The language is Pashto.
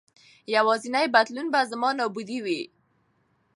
یوازېنی بدلون به زما نابودي وي.